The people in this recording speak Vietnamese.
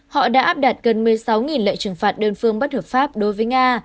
họ đã áp đặt gần một mươi sáu lệnh trừng phạt đơn phương bất hợp pháp đối với nga